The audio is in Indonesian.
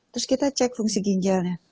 terus kita cek fungsi ginjalnya